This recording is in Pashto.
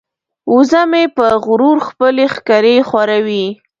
وزه مې په غرور خپلې ښکرې ښوروي.